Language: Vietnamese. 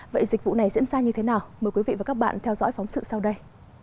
vậy dịch vụ này diễn ra như thế nào mời quý vị và các bạn theo dõi phóng sự sau đây